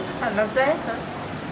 apakah anak saya harus